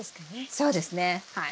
そうですねはい。